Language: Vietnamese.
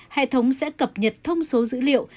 hệ thống sẽ cập nhật thông số dữ liệu